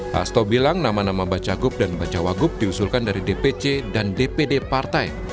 hasto bilang nama nama bacagub dan bacawagup diusulkan dari dpc dan dpd partai